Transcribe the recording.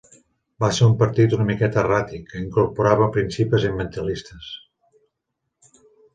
Va ser un partit una miqueta erràtic que incorporava principis ambientalistes.